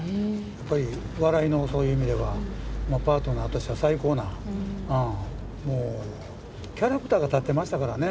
やっぱり笑いの、そういう意味では、パートナーとしては最高な、もうキャラクターが立ってましたからね。